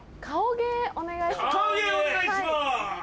顔芸お願いします！